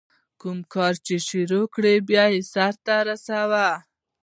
کوم کار چي شروع کړې، بیا ئې سر ته رسوه.